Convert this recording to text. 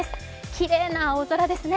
きれいな青空ですね。